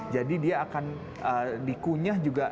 jadi dia akan dikunyah juga